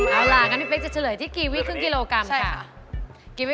เอาล่ะงั้นพี่เป๊กจะเฉลยที่กีวี่ครึ่งกิโลกรัมค่ะ